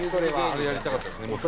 あれやりたかったですね。